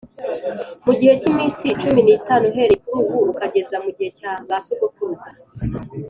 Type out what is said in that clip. Mu gihe cy iminsi cumi n itanu uhereye kuri ubu ukageza mugihe cya basogokuruza